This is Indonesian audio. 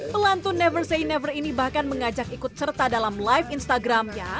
pelantun never say never ini bahkan mengajak ikut serta dalam live instagramnya